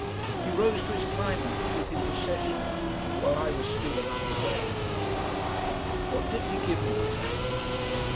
He rose to his climax with his "Recessional," while I was still an undergraduate. What did he give me exactly?